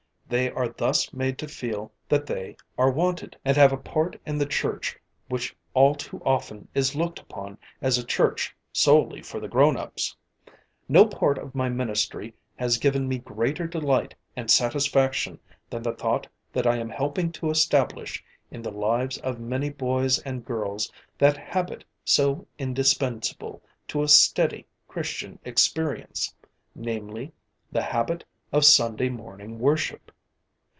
They are thus made to feel that they are wanted, and have a part in the Church which all too often is looked upon as a Church solely for the grownups. No part of my ministry has given me greater delight and satisfaction than the thought that I am helping to establish in the lives of many boys and girls that habit so indispensable to a steady Christian experience, namely the habit of Sunday morning worship.